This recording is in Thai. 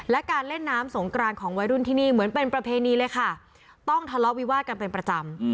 และการเล่นน้ำสงกรานของวัยรุ่นที่นี่เหมือนเป็นประเพณีเลยค่ะต้องทะเลาะวิวาดกันเป็นประจำ